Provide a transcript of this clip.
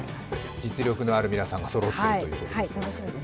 実力のある皆さんがそろっているという。